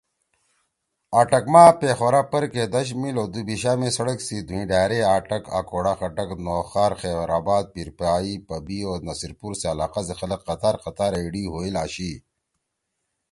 آٹک ما پیخورا پرکے دش میِل او دُوبیِشا می سڑک سی دُھوئں ڈھأرے اٹک، اکوڑہ خٹک، نوخار، خیرآباد، پیرپیائی، پبی او نصیر پور سی علاقہ سی خلگ قطار قطار ئے ایِڑی ہوئیل آشی